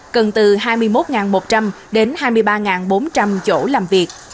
cần từ hai mươi một một trăm linh đến hai mươi ba bốn trăm linh chỗ làm việc